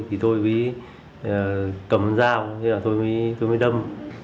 thì tôi cầm dao tôi mới đâm